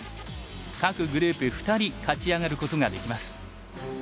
各グループ２人勝ち上がることができます。